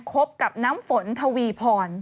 คบกับน้ำฝนทวีพร